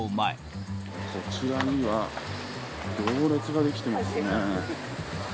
こちらには、行列が出来てますね。